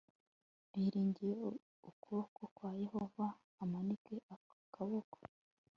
biringiye ukuboko kwa yehova amanike akaboko